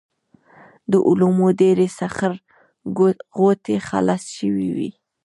د علومو ډېرې سخر غوټې خلاصې شوې وې.